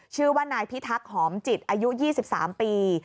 ชื่อว่านายพิทักษ์หอมจิตอายุ๒๓ปี